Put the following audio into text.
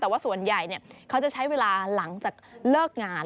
แต่ว่าส่วนใหญ่เขาจะใช้เวลาหลังจากเลิกงาน